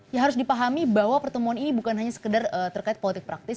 ya harus dipahami bahwa pertemuan ini bukan hanya sekedar terkait politik praktis